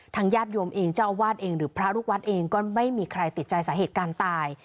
ญาติโยมเองเจ้าอาวาสเองหรือพระลูกวัดเองก็ไม่มีใครติดใจสาเหตุการณ์ตาย